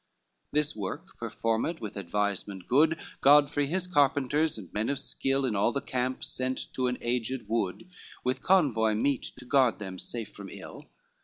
LXXIV This work performed with advisement good, Godfrey his carpenters, and men of skill In all the camp, sent to an aged wood, With convoy meet to guard them safe from ill.